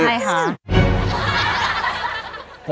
ใช่ค่ะ